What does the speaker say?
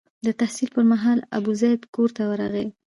د تحصیل پر مهال ابوزید کور ته ورغلی.